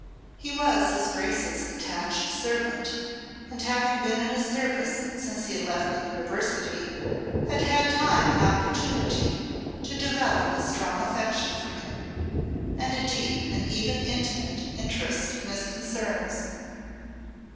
He was his Grace's attached servant, and having been in his service since he had left the University had had time and opportunity to develop a strong affection for him, and a deep and even intimate interest in his concerns.